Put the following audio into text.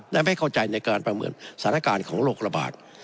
และไม่เข้าใจในการประเมินสถานการณ์ของโรคระบาด